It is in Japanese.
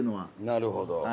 なるほど。